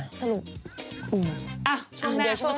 ฟรุ้ง